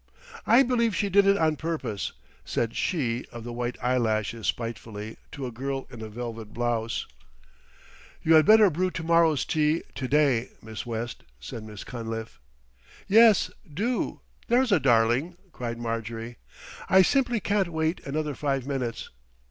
"I believe she did it on purpose," said she of the white eyelashes spitefully to a girl in a velvet blouse. "You had better brew to morrow's tea to day, Miss West," said Miss Cunliffe. "Yes, do, there's a darling," cried Marjorie. "I simply can't wait another five minutes.